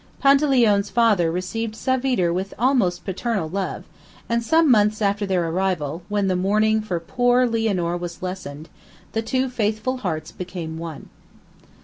Panteleone's father received Savitre with almost paternal love, and some months after their arrival, when their mourning for poor Lianor was lessened, the two faithful hearts became one.